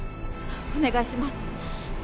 お願いします